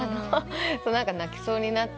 泣きそうになって。